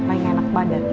lagi gak enak badan